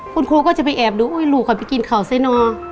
คุณครูก็จะไปแอบดูลูกก่อนไปกินข่าวซะเนอะ